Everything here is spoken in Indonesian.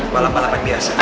balap balap yang biasa